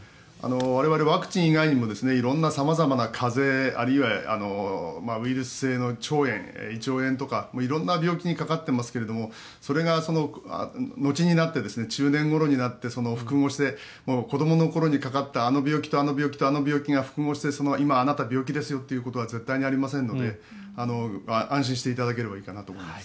我々、ワクチン以外にも色んな様々な風邪あるいはウイルス性の腸炎胃腸炎とか色んな病気にかかっていますがそれが後になって中年ごろになって複合して子どもの頃にかかったあの病気とあの病気とあの病気が複合して今あなた病気ですよってことは絶対にありませんので安心していただければいいかなと思います。